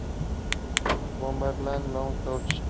Bomberman Land Touch!